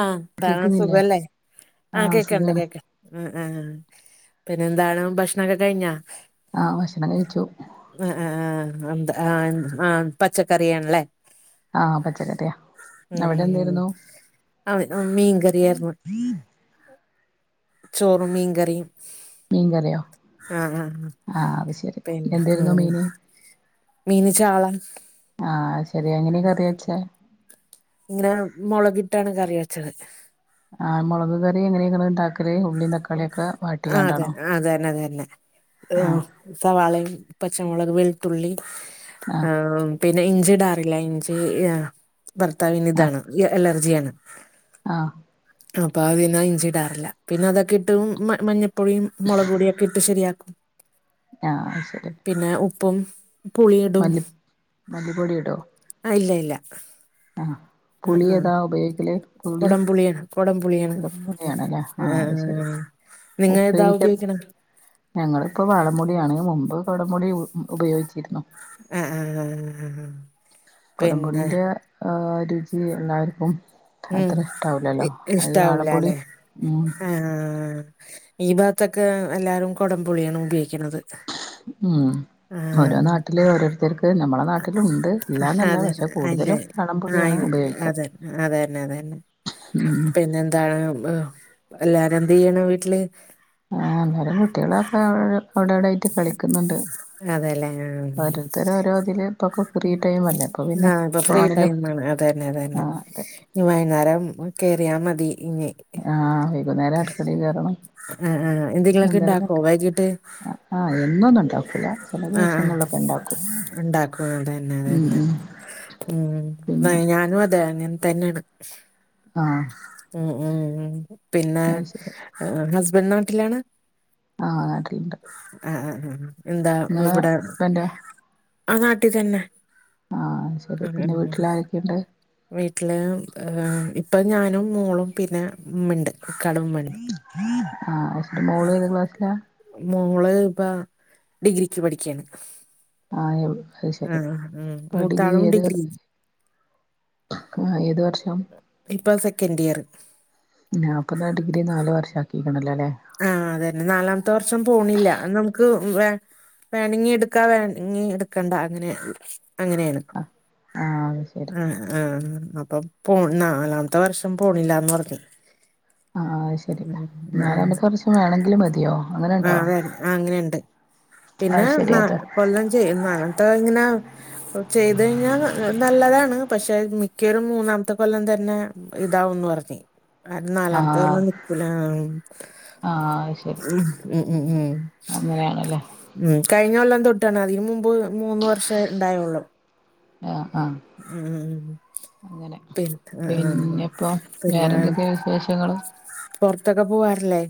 ആഹ ന്താണ് കേക്കുന്നില്ലേ സുഖല്ലേ ആ ആഹ് കേക്കണ്ട് സുഖാണ് കേക്ക ആ ആ പിന്നെന്താണ് ഭക്ഷണക്കെ കഴിഞ്ഞാ? ആ ഭക്ഷണം കഴിച്ചു. ആ, ആ, ആ, ആ ന്ത, ആ എ, ആ പച്ചക്കറിയാണ്ല്ലേ. ആഹ് പച്ചക്കറിയാ. അവിടെന്തെരുന്നു? ആ വ്ടെ മീൻകറിയാര് ന്ന്. ചോറും മീംകറീം. മീൻകറിയോ ആഹ ആഹ് അത് ശരി പിന്നെ എന്തായിരുന്നു ഉം. മീന് മീന് ചാള. ആഹ് അയ്ശെരി എങ്ങനെകറിവെച്ചേ? ഇങ്ങനെ മൊളകിട്ടാണ് കറി വെച്ചത്. ആഹ് മൊളക് കറി എങ്ങനെ ഇങ്ങള്ണ്ടാ ആ അതന്നെ, ആ അതന്നെ, അതന്നെ ആ ആഹ് സവാളേം, പച്ചമൊളക്, വെളുത്തുള്ളി ആഹ് ആ പിന്നെ ഇഞ്ചിട ല്ല ഇഞ്ചി ആ ഭർത്താവിന് ആഹ് ഇതാണ് ഇ അലർജിയാണ്. ആഹ് അപ്പൊ അത് നാ ഇഞ്ചിടാറില്ല പിന്ന അത ക്കിട്ടും മ, മഞ്ഞപ്പൊടിയും മൊളക്പൊടിയക്കിട്ട് ശരിയാക്കും. ആഹ് അയ്ശെരി. പിന്നെ ഉപ്പും പുളിയിടും മല്ലിപ്പൊടി ആ ഇല്ല, ഇല്ല. ആഹ ആ പുളി ആ ഏതാ ഉപയോഗിക്കല്? പുളി കൊടംപുളിയാണ്, കൊടംപുളിയാണ് കുടംപുളിയാണല്ലേ അത് ശരി ആഹ് നിങ്ങ ഏതാ ഉപ്പേരിക്ക് ഉപയോഗിക്കണ? ഞങ്ങളിപ്പോ വാളംപുളി ആണ് മുമ്പ് കോടംപുളി ഉ, ഉപയോഗിച്ചിരുന്നു. [unintelligible] പിന്നെ കൊടംമ്പുളീന്റെ രുചി എല്ലാവര്ക്കും ഉം ഇ ഇഷ്ടാവൂലല്ലെ. ഉം ആഹ്, ആ. ഈ ബാത്തൊക്കെ എല്ലാരും കൊടംപുളിയാണ് ഉപയോക്കണത്. ഉം ഓരോ നാട്ടില് ഓരോരുത്തര് അ അതെ, അതെ അല്ല കൂടുതലും ആ വാളംപുളിയാണ് ഉപയോഗിക്കുക അതെന്നെ, അതന്നെ, അതന്നെ. ഉം പിന്നെന്താണ്. എല്ലാരും എന്തെയ്യണ് വീട്ടില്? ആഹ് എല്ലരും കുട്ടികളൊക്കെ അവ അവിടവിടായിട്ട് കളിക്കുന്നുണ്ട്. അതെല്ലേ ആ ഓരോരുത്തര് ഓരോതില് അപ്പോക്കെ ഫ്രീ ടൈമ് അല്ലേ അപ്പോ പിന്നെ ആഹ് ഇപ്പൊ ഫ്രീ ഫോണിലും ആ, അതെ. ഞ്ഞി വൈന്നേരം കേറിയാ മതി ഇഞ്ഞി ആഹ് വൈകുന്നേരം അടുക്കളെകേറണം ആ ആ എന്തെങ്കിലുമൊക്കെ ഉണ്ടാക്കോ എന്തെങ്കിലൊക്കെ വൈകിട്ട് ആ ആഹ് എന്നൊന്നുണ്ടാ ആഹ്, ആ ഇണ്ടാക്കും അതന്നെ, ഉം അതന്നെ. ഉം പിന്നെ ഉം ഞാനും അതെ അങ്ങനെതന്നെണ്. ആഹ് ഉ, ഉ പിന്നെ അത് ശരി ഹസ്ബൻ നാട്ടിലാണ? ആഹ് നാട്ടില്ണ്ട്. ആഹ് എന്താ ഇവിടെ ഹസ്ബൻഡോ ആ നാട്ടിൽ തന്നെ ആഹ് അയ്ശരി ഉം ഉം പിന്നെ ഉം വീട്ടിലാരൊക്കെണ്ട്? വീട്ടില് ഇപ്പം ഞാനും മോളും പിന്നെ ഉമ്മണ്ട്. ഇക്കാടുംമ്പണിത് ആഹ് അത് ശരി ആ മോള് ഏത് ക്ലാസ്സിലാ മോള് പ്പ ഡിഗ്രിക്ക് പഠിക്കെണ്. ആയൊ അത് ശരി ഉം ഇപ്പൊ ഡിഗ്രി മൂത്താളും ഏത് ആ ഏത് വർഷം? ഇപ്പോ സെക്കന്റിയറ്. ഞ പ്പംന്താ ഡിഗ്രി നാല് വർഷം ആക്കിയിക്കണല്ലോ അല്ലേ. ആഹ് അതന്നെ നാലാമത്തെ വർഷം പോണില്ല. നമുക്ക് വേ വേണങ്ങി എട്ക്കാ വേണങ്ങി എട്ക്കണ്ട അങ്ങനെ, അങ്ങനെണ്. ആഹ് അത് ശരി ആഹ് അപ്പം പോൺ നാലാമത്തെ വർഷം പോണില്ലാന്ന് പറഞ്ഞ് ആഹ് ആഹ് ആശരി ഉം ഉം ഉം. നാലാമത്തെ വേണമെങ്കിൽ മതിയോ ആ അങ്ങനെണ്ടോ വേ ആ അങ്ങനെയുണ്ട് പിന്നെ അത് ശരി ന അപ്പൊ കൊല്ലം ചെയ്യുന്ന അങ്ങനത്തെ ഇങ്ങനെ ചെയ്ത് കഴിഞ്ഞാൽ നല്ലതാണ്. പക്ഷെ മിക്കൊരു മൂന്നാമത്തെ കൊല്ലം തന്നെ ഇതാവൂന്ന് പറഞ് ആഹ് നാലാമത്തെ ആഹ് പറ നിക്കൂല ആഹ് അത് ശരി ഉം ഉം ഉം ഉം അങ്ങനെയാണല്ലേ ഉം കഴിഞ്ഞ കൊല്ലം തൊട്ടാണ് അതിനന് മുമ്പ് മൂന്ന് വർഷം ഉണ്ടായള്ളു. ആഹ് ആഹ് ഉം ഉം അങ്ങനെ പിന്ന ആഹ് പിന്നെപ്പോ പിന്നെ ഹ് വേറെന്തൊക്കെയാ വിശേഷങ്ങള് പുറത്തൊക്കെ പോവാറില്ലേ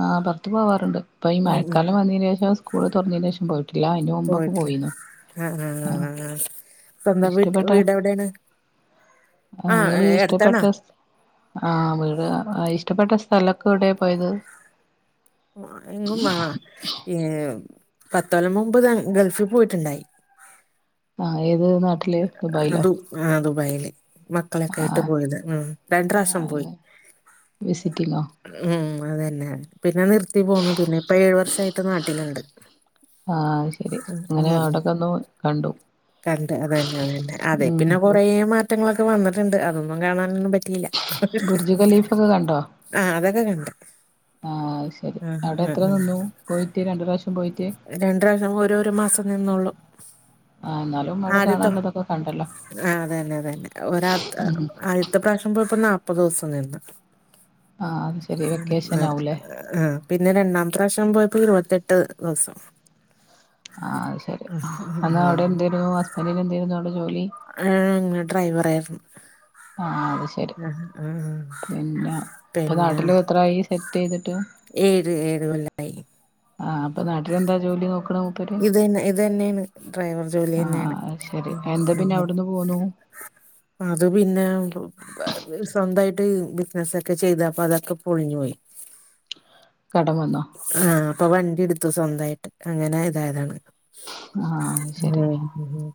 ആഹ് പുറത്ത് പോവാറുണ്ട്പ്പ പ്പോ ഈ ഉം ഉം മഴക്കാലം വന്നതിനന് ശേഷം സ്കൂള് തുറന്നതിന് ശേഷം പോ ട്ടില്ല അതിന് മുമ്പൊക്കെ പോയിട്ടില്ല പോയിനു ആ ആ ആ ആഹ ആ സ്വന്തം വീട്ട് ഇഷ്ടപ്പെട്ട വീട് എവിടെയാണ് ആ ങ്ങള് ഇഷ്ടപ്പെട്ട അടുത്താണാ സ ആഹ് വീട് ഇഷ്ടപ്പെട്ട സ്ഥലൊക്കെ ഇവിടെയ പോയത് എങ്ങും വാണോം ഏഹ്പത്തോല്ലം മുമ്പ് ഗൾഫിൽ പോയിട്ടുണ്ടായി. ആ ഏത് നാട്ടില് ദുബായിലോ ആഹ ദുബൈല് മ മക്കളൊക്കെയിട്ട് ആഹ് പോയത് ഉം രണ്ട പ്രാവശ്യം പോയി. ആഹ് വിസിറ്റിങ്ങോ ഉം അത്തന്നെയ പിന്നെ നിർ ത്തി പോന്നു പിന്നെ ഇപ്പ ഏഴു വർഷമായിട്ട് നാട്ടിലുണ്ട്. ആഹ് ശരി ഉ അങ്ങനെ ഉ അവിടൊക്കെ ഒന്ന് കണ്ടു കണ്ട് അത തന്നെ അത തന്നെ അതെ ഉം പിന്നെ കൊറ മാറ്റങ്ങളൊക്കെ വന്നിട്ടുണ്ട്. അതൊന്നും കാണാനൊന്നും പറ്റിയില്ല ബുർജ് കലീഫ്ക്കെ കണ്ടോ ആഹ അതൊക്കെ കണ്ട് ആ ശരി ആഹ് അവിടെ ആഹ് എത്ര ആഹ് നിന്നു പോയിട്ട് രണ്ട പ്രാവശ്യം പോയിട്ട് രണ്ട് പ്രാവശ്യം ഓരോ മാസം നിന്നള്ളൂ ആ എന്നാലും അവിടെ കാണാനുള്ളതൊക്കെ കണ്ടല്ലോ. ആ അത തന്നെ അത തന്നെ ഒരാ അഴത്ത പ്രാവശ്യം പോ ഇപ്പൊ നാല്പ്പത് ദിവസം നിന്നു ആ അത് ശരി വെക്കേഷൻ ആവൂല്ലേ ആഹ് ആഹ് പിന്നെ രണ്ടാമ പ്രാവശ്യം പോയപ്പോ ഇരുപത്തെട്ട് ദിവസം ആഹ് അത് ശരി എന്നാൽ അവിടെ എന്തരുന്നു ഹസ്ബൻഡന് എന്തേനുയിരുന്നു അവിടെ ജോലി ഏഹ് അങ്ങനെ ഡ്രൈവർ ആയിരുന്നു. ആഹ് അത് ശരി പിന്നെ ഇപ്പ പിന്നെ നാട്ടില് എത്രായി സെറ്റ് ചെയ്തിട്ട്. ഏഴ് ഏഴ കോല്ലായി ആഹ് അപ്പൊ നാട്ടിലെന്താ ജോലി നോക്കണ മൂപ്പര് ഇത് തന്നെ ഇത് തന്നെയാണ് ഡ്രൈവർ ജോലി തന്നെയാണ്. ആഹ് അത് ശരി എന്താ പിന്നെ അവിടുന്ന് പോന്നു അത് പിന്നെ സ്വന്തമായിട്ട് ബിസിനസ ഒക്കെ ചെയ്തപ്പ അതൊക്കെ പൊളിഞ്ഞു പോയി. കടം വന്നോ ആഹ അപ്പൊ വണ്ടി എടുത്തു സ്വന്തമായിട്ട് അങ്ങനെ ഇതായതാണ്. ആഹ് അത് ശരി ആഹ് ആഹ്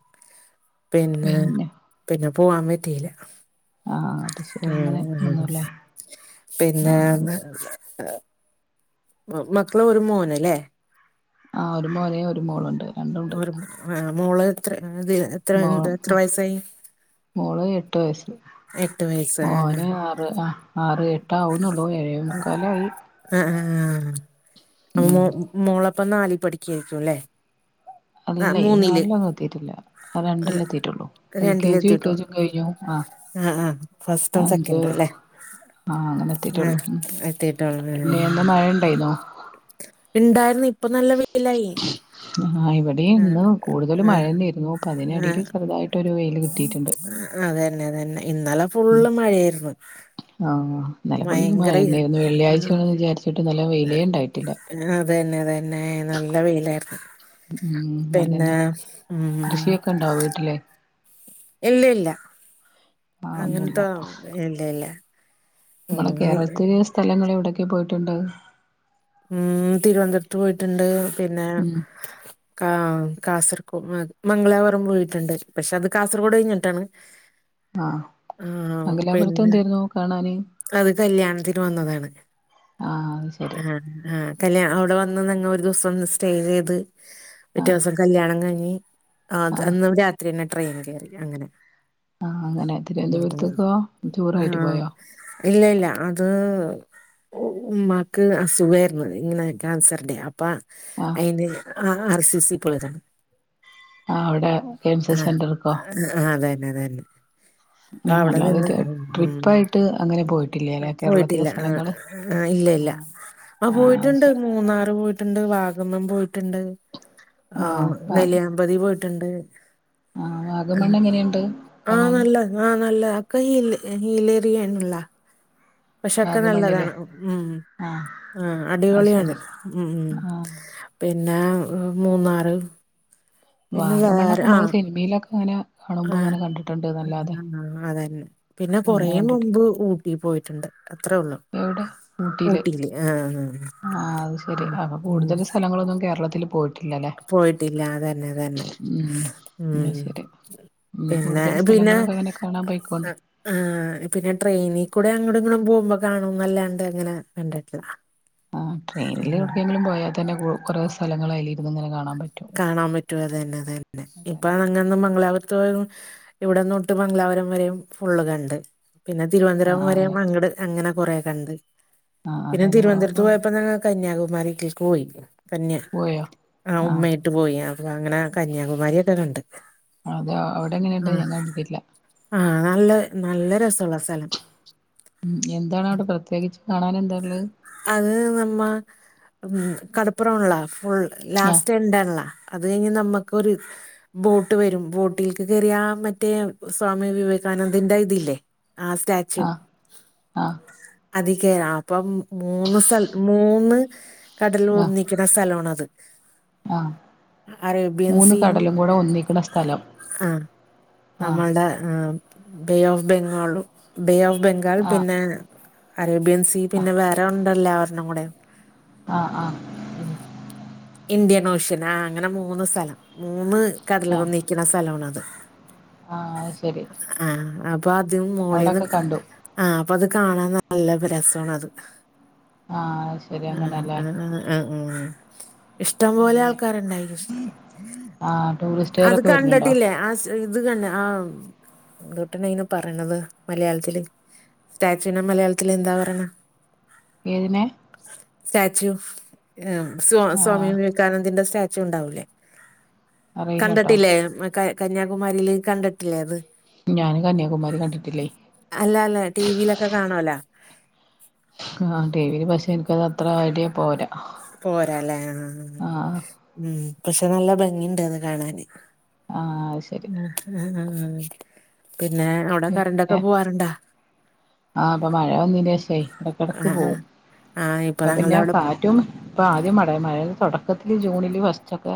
പിന്നെ പിന്നെ പോവാൻ പറ്റീല്ല ആഹ് അത് ശരി അങ്ങനെ ഒന്നുംല്ലേ പിന്നെ ആഹ് അത് ശരി മക്കള് ഒരു മോനല്ലേ ആഹ് ഒരു മോനും ഒരു മോളുണ്ട്. രണ്ടുണ്ട് ഓ ആഹ് മോള് എത്ര അത് എത്ര മോ എ എത്ര വയസ്സായി. മോള് എട്ട് വയസ്സ് എട്ട് വയസ് ഓന് ആറ് ആ ആറ് എട്ട് ആവുണൊള്ളൂ ഏഴേ മുക്കാലായി അ അ ആ മോ ഉം മോളപ്പമോളപ്പോ നാലിൽ പഠിക്കായ്രിക്കുംല്ലേ അല്ലയ് നാലിലൊന്നും എത്തീട്ടില്ല രണ്ടില് എത്തീട്ടൊള്ളു L K G U K gym കയ്ഞ്ഞു ആ അ ആ ഫസ്റ്റും അഞ്ച് സെക്കന്റുംല്ലേ ആ അങ്ങനെ ആ എത്തിയിട്ടുള്ളൂ ഉം എത്തിട്ടൊ പിന്നെ ഇന്ന് [unintelligible] മഴ ഉണ്ടായിന്നോ ഇണ്ടാര്ന്നു ഇപ്പാ നല്ല വെയിലായി ആ ഇവിടെ ആഹ് ഇന്ന് കൂടുതലും ആഹ് മഴന്നെര്ന്നൂ പ്പാ അതിനടേയില് ചെർതായി ആ അതന്നെ അതന്നെ ഇന്നലെ ഫുള്ള് മഴര്ന്ന് ആ ഇന്നലെ ഫുള്ള് മഴനേര്ന്നു ആഹ് വെള്ളിയാചെന്ന് വിചാരിച്ച്ട്ട് ഇന്നലെ വെയ്ലെ ഇണ്ടായ്ട്ടില്ല ആ അതന്നെ അതന്നെ നല്ല വെയ്ലാര്ന്നു ഉം പിന്നെ അതന്നെ ഉം കൃഷിയൊക്കെ ഉണ്ടോ വീട്ടില് എല്ല് ഇല്ല ആഹ് ഒന്നുല്ല അങ്ങൻത്തോ എല്ല് ഇല്ല ഉം നമ്മള് നി കേരളത്തില് സ്ഥലങ്ങള് എവടക്കെ പോയിട്ട്ണ്ട് ഉം തിരുവൻന്തരത്ത് പോയിട്ട്ണ്ട് പിന്നെ ഉം കാ കാസർകോ മംഗലാപുരം പോയിട്ട്ണ്ട് പക്ഷെ അത് കാസർഗോഡ് കയ്ഞ്ഞ്ട്ടാണ് ആ മങ്കിലാപുരത്ത് പിന്നെ എന്തെര്ന്നു കാണാന് അത് കല്യാണ്ത്തിന് വന്നതാണ് ആഹ് അത് ശരി ആ ആ കല്യാ അവടെ വന്ന് ഞങ്ങ ഒരു ദിവസം ഒന്ന് സ്റ്റേ ചെത് ആഹ് പിറ്റേസം കല്യാണം കഴിഞ്ഞ് ആ ആഹ് അന്ന് രാത്രിന്നെ ട്രെയിൻ കേറി അങ്ങനെ ആഹ് അങ്ങനെ ഉം തിരുവനന്തപുരത്തേക്കോ ആ ടൂറായിട്ട് പോയോ ഇല്ല ല്ല അത് ഉമ്മാക്ക് സുഖാര്ന്ന് ഇങ്ങനെ ക്യാൻസറിന്റെ അപ്പാ ആഹ് അയ്ന് ആ ആർ സി സി പോളിതാണ് ആഹ് അവിടെ ആ ക്യാൻസർ സെന്റർക്കോ അ അതന്നെ തന്നെ പ്പാ ആഹ് അവടെ അല്ലാതെ നിന്ന് ട്രിപ്പായിട്ട് അങ്ങനെ പോയിട്ടില്ലേല്ലേ കേരളത്തിലെ പോയ്ട്ടില്ല ആ സ്ഥലങ്ങള് ആ ഇല്ലല്ല ആഹ് ആ ആഹ് അത് പോയ്ട്ട്ണ്ട് ശരി മൂന്നാറ് പോയിട്ട്ണ്ട് വാഗമ്മം പോയിട്ട്ണ്ട് ആ ആഹ് വാഗ് നെലിയാമ്പതി പോയ്ട്ട്ണ്ട് ആഹ് വാഗമണ്ണ് എങ്ങനെയുണ്ട് ആ കാണാന് നല്ല ആ നല്ലാ അക്കെ ഹീ ഹീലേറിയെണുള്ള പശേ ഒക്കെ വാഗമണ്ണില് നല്ലതാണ് ഉം ആഹ് ആ അത് അടിപൊളിയാണ് ശരി ഉ ഉം ആഹ് പിന്നെ മൂന്നാറ് പിന്നെ വാഗമണ്ണൊക്കെ മ്മള് സിന് മയിലൊക്കെ ഇങ്ങനാ ആ അതന്നെ പിന്നെ കൊറെ അങ്ങനെ കണ്ടിട്ടില്ല മുമ്പ് ഊട്ടി പോയ്ട്ട്ണ്ട് അത്രേ ഒള്ളു ഊട്ടിയില് ആ ആഹ് അത് ശരി ഉം അപ്പൊ ഉ കൂടുതൽ സ്ഥലങ്ങളൊന്നും കേരളത്തില് പോയിട്ടില്ലല്ലേ പോയ്ട്ടില്ല അതന്നെ അതന്നെ ഉം ഉം അത് ശരി ഇനി പിന്നെ കൂടുതൽ പിന്നെ സ്ഥലങ്ങളൊക്കെ അങ്ങനെ കാണാൻ പോയിക്കോണ്ടി അഹ് പിന്നെ ട്രെയിനി കൂടെ അങ്ങടും ഇങ്ങടും പോവുമ്പോ കാണുന്നല്ലാണ്ടെ അങ്ങനെ കണ്ട്ട്ട്ലാ ആ ട്രെയിനില് എവ്ട്ക്കെങ്കിലും പോയാ തന്നെ കു കൊറെ സ്ഥലങ്ങളായില് കാണാ പറ്റും അതന്നെ അതന്നെ ഇപ്പ അതന്നെ നിങ്ങന്നും മംഗലാപുര [unintelligible] ഇവിടെന്നോട്ട് മംഗലാപുരം വരെയും ഫുള്ള് കണ്ട് പിന്നെ തിരുവൻന്തരം ആഹ് വരെ അങ്ങനെ അങ്ങട് അങ്ങനെ കൊറെ കണ്ട് ആഹ് പിന്നെ അതന്നെ തിരുവൻന്തരത്ത് പോകുമ്പോ പോയപ്പന്നെ കന്യാകുമാരി കേക്ക് കന്യാ പോയോ ആ ആഹ് ഉമ്മേട്ട് പോയി അപ്പൊ അങ്ങനെ കന്യാകുമാരിക്കെ കണ്ട് അതോ അവടെ എങ്ങനെണ്ട് ആ ഞാൻ കണ്ടില്ല ആ നല്ല നല്ല രസള്ള സ്ഥലം ഉ എന്താണ് അവടെ പ്രത്യേകിച്ച് കാണാന് എന്താള്ള് അത് നമ്മ കടപ്പുറള്ളാ ഫുൾ ഞാ ലാസ്റ്റ് ണ്ടാള്ള അത് കഴിഞ്ഞ് നമ്മുക്കൊരു ബോട്ട് വരും ബോട്ടിൽക്ക് കേറി ആ മറ്റേ സ്വാമി വിവേകാനന്ദന്റെ ഇതില്ലേ ആ സ്റ്റാച്യു ആഹ് ആഹ് അതി കേറ അപ്പം മൂന്ന് സ്ഥ മൂന്ന് കടലും ആഹ് ഒന്നിക്കണ സ്ഥലാണത് ആഹ് അറേബ്യൻ മൂന്ന് സീയും കടലും കൂടെ ഒന്നിക്കണ സ്ഥലം ആഹ് ആഹ് നമ്മളുടെ ബേ ഓഫ് ബംഗാളും ബേ ഓഫ് ബംഗാൾ ആഹ് പിന്നെ അറേബ്യൻസി പിന്നെ വേറെ ഉണ്ടല്ലോ ഒരെണ്ണം കൂടെ ആഹ് ആഹ് ഉഹ് ഇന്ത്യൻ ഓഷ്യൻ ആ അങ്ങനെ മൂന്ന് സ്ഥലം മൂന്ന് കടലു ആഹ് ഒന്നി ക്കണ സ്ഥലാണത് ആഹ് അത് ശരി. ആഹ് അപ്പൊ ആദ് മോളീന്ന് അവിടൊക്കെ കണ്ടു ആഹ് അപ്പൊ അത് കാണാൻ നല്ല രസാണത്. ആഹ് ശ ആഹ് ആ ആ ആ ആ ഇഷ്ടം പോലെ പിന്നെ ആൾക്കാരുണ്ടായി ആഹ് അത് ടൂറിസ്റ്റുകാരൊക്കെ വരുന്നുണ്ടോ കണ്ടിട്ടില്ലേ ആസ് ഇത് കണ്ടേ ആ എന്തുട്ടന് ഇതിന് പറയണത് മലയാളത്തില്, സ്റ്റാച്യു ന് മലയാളത്തില് എന്താ പറയണ? ഏതിനേ? സ്റ്റാച്യു ആ സ്വാ ആഹ് സ്വാമിവിവേക് കാനന്ദന്റെ സ്റ്റാച്യു ഉണ്ടാവൂലേ അറിയില്ലട്ടോ കണ്ടിട്ടില്ലേ കൈ കന്യാകുമാരിയില് കണ്ടിട്ടില്ലേ അത്? ഞാൻ കന്യാകുമാരി കണ്ടിട്ടില്ലേ. അല്ലാന്ന് ടി വിയിലൊക്കെ കാണാല്ല. ആഹ് ടി വിൽ പക്ഷെ എനക്ക്ത് അത്ര ഐഡിയ പോരാ. പോരാലേ ആഹ് മ്ഹ് പക്ഷെ നല്ല ഭംഗിണ്ടത് കാണാന് ആഹ് അത് ശരി പിന്നെ അവിടെ കറണ്ടൊക്കെ പിന്നെ പോവാറുണ്ടാ? ആഹ് അപ്പൊ മഴ വന്നിന് ശേഷേ ഇടക്കിടക്ക് ആഹ് ആഹ് പോവും. ആഹ് ഇപ്പൊ അപ്പ ഞങ്ങളുടെ പിന്നെ അവിടെ കാറ്റും, ഇപ്പൊ ആദ്യം മട മഴേടെ തുടക്കത്തില് ജൂണില് ഫസ്റ്റ് ഒക്കെ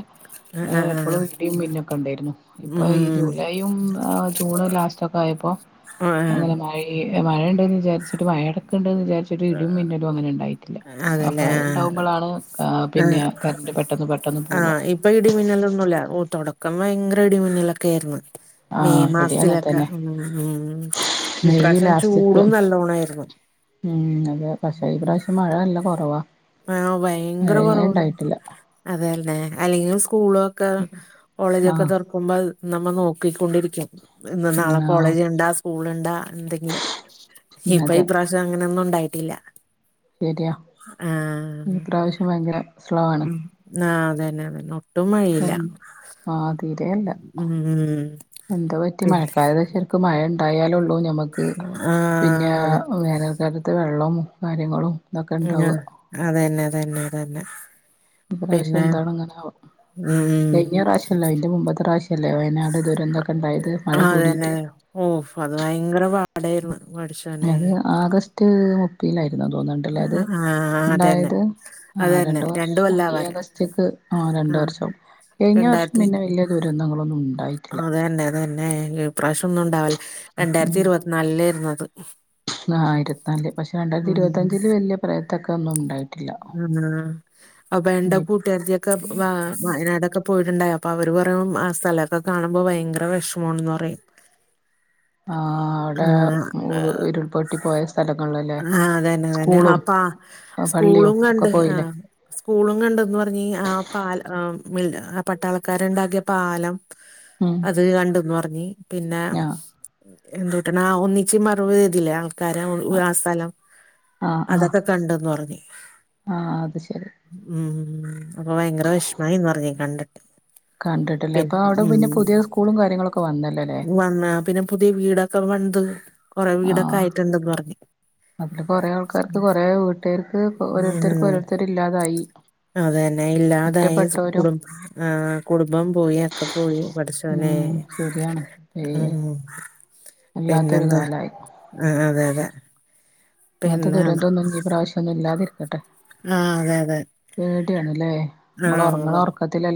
ഓ ആഹ് ആഹ് ആഹ് എപ്പളും ഇടിയും മിന്നൊക്കം ഉണ്ടായിരുന്നു. ഇപ്പൊ ഈ ഉം ജൂലൈയും ജൂണ് ലാസ്റ്റ ഒക്കെ ആയപ്പോ ആഹ് ഈ മഴയണ്ട എന്ന് വിചാരിച്ചി്ട്ട് മഴയടൊക്ക് ഉണ്ടന്ന് വിചാരിച്ചിട്ട് ഇടീം മിന്നലും അങ്ങനെ ഉണ്ടായിട്ടില്ല. അപ്പൊ അതല്ലേ ആഹ് അത്ണ്ടാവുമ്പോളാണ് പിന്നെ കറന്റ് പെട്ടെന്ന് പെട്ടെന്ന് പോവ. ഇപ്പ ഇടിമിന്നല ഒന്നുമല്ല ഓ തുടക്കം ഭയങ്കര ഇടിമിന്നലൊക്കെ ആയിരുന്നു. മെയ് ആഹ് ഇവിടേം അങ്ങനെ മാസത്തിലൊക്കെ തന്നെ മ്ഹ് മ്ഹ് ഇപ്രാവശ്യം ചൂടും നല്ലോണായിരുന്നു. മ്ഹ് അതെ പക്ഷെ ഈ പ്രാവശ്യം മഴ നല്ല കുറവാ. ആഹ് ഭയങ്കര മഴയേ കുറവു ഉണ്ടായിട്ടില്ല അതല്ലെ അല്ലെങ്കിൽ സ്കൂളൊ ക്ക കോളേജൊക്കെ ആഹ് തൊർക്കുമ്പോ നമ്മൾ നോക്കിക്കൊണ്ടിരിക്കും ഇന്ന് നാളെ കോളേജ് ഉം ഇണ്ടാ സ്കൂള ഇണ്ടാ എന്തെങ്കിലും ഇപ്പൊ ഈ അതെ പ്രാവശ്യം അങ്ങനൊന്നും ഉണ്ടായിട്ടില്ല ശരിയാ ഇപ്രാവശ്യം ഭയങ്കര സ്ലോ ആണ്. ആ അതന്നെ ആണ് ഒട്ടും മഴയില്ല. എൻ ആഹ് തീരെല്ല ഉം എന്താ പറ്റി പിന്നെ മഴക്കാല [unintelligible] ക്ക് മഴ ഉണ്ടായാലുള്ളൂ ഞമക്ക് പിന്നെ ആഹ് അതെ വേനൽക്കാലത്ത് വെള്ളവും കാര്യങ്ങളും ഇതൊക്കെ ആഹ് ഉണ്ടാവുക അതന്നെ അതന്നെ അതന്നെ ഇപ്രാവശ്യം പിന്നെ എന്താണ് ഇങ്ങനെ ഉം കഴിഞ്ഞ പ്രാവശ്യം അല്ല അതിന്റെ മുമ്പത്തെ പ്രാവശ്യമല്ലേ വയനാട് ദൂരന്തൊക്കെ ഉണ്ടായത് മഴ കൂടിയിട്ട് ഓഫ് അത് ഭയങ്കര പാടായിരുന്നു പഠിച്ചു അത് ആഗസ്റ്റ് മു പ്പിനാരുന്നു തോന്ന്ണ്ടല്ലേ അത് ആഹ് അതന്നെ ഉണ്ടായത് ആ രണ്ട് അതന്നെ വർഷം ഈ കൊല്ലാവാറായി ആഗസ്റ്റ്ക്ക്. ആ രണ്ടു ആഹ് വർഷം കൈഞ്ഞ വർഷം പിന്നെ വല്യ ദുരന്തങ്ങളൊന്നും ഉണ്ടായി. അതന്നെതന്നെ ഇപ്രാവശ്യം ഒന്നും ഇണ്ടാവല്ലെ രണ്ടായിരത്തി ഇരുപത്തിനാലേരന്നു അത്‌. ആഹ് ഇരത്ത്ന്നാല് പഷേ രണ്ടായിരത്തിരുവത്തഞ്ച്ല് വല്യ പറയത്തക്ക ഒന്നും ഉണ്ടായി. ആണാ അപ്പൊണ്ട ഇനി കൂട്ടാര്ത്തി. ക്കെ വ വയനാടൊക്കെ പോയിട്ടുണ്ടായി അപ്പൊ അവര് പറയു ആ സ്ഥലൊക്കെ കാണുമ്പോ ബൈങ്കര വെഷ് മോണെന്ന് പറയും. ആഹ് അവിടെ ആഹ് ഉരു ഉരുൾപൊട്ടി പോയ സ് സ്ഥലങ്ങൾല്ലെ. ആഹ് അതന്നെതന്നെ അപ്പാ ആ പള്ളിയും സ്കൂളും ഒക്കെ കണ്ട് പോയില്ലേ ആഹ്. സ്കൂളും കണ്ടന്ന് പറഞ് ആ പാൽ ആ മിൽ ആ പട്ടാളക്കാര്ണ്ടാക്കിയ പാലം. ഉം അത് കണ്ട്ന്ന് പർഞ്ഞ് പിന്നെ. ആ എന്തുട്ടണ് ആ ഒന്നിച്ച് മറവചെയ്തില്ലേ ആൾക്കാരെ ഒ ആ സ്ഥലം. അതൊക്കെ കണ്ടന്ന് പറഞ്ഞ്. ആഹ് അത് ശെരി. ഉം അപ്പൊ ബൈങ്കര വെശ്മായിന്ന് പർഞ് കണ്ട്. [inaudible] കണ്ട്ട്ട്ല്ലേ അപ്പ അടെ പിന്നെ പുതിയെ സ്കൂളും കാര്യങ്ങളൊക്കെ വന്നല്ലോല്ലേ. ക്കെ വന്ത് കൊറെ വീടൊക്കെ ആയിട്ടുണ്ടന്ന് പറഞ്ഞ്. അതിൽ കൊറെേ ആൾക്കാർക്ക് കൊറേ വീട്ടേര്ക്ക് പ്പൊ ഓരോരുത്തര്ക്ക് ഉം ഓരോരുത്തര്ല്ലാതായി. അതന്നെ ഇല്ലാതായ സ്കൂളും ഏഹ് കുടുംബം പോയി ഒക്കെ പോയി പടച്ചോനെ. ഉം ശരിയാണ് ഏഹ് ഉം വല്ലാത്തൊരു കാലായി. ആഹ് അതെ അതെ. അങ്ങത്തെ പിന്നെ ദുരന്തൊന്നും ഈ പ്രാവശ്യൊന്നും ഇല്ലാതിരിക്കട്ടെ. ആഹ് അതെ അതെ. പേടിയാണല്ലേ ആ അമ്മള് ഒറ്ങ്ങ്ണ അതെ ഒറ്ക്കത്തിലല്ലേ.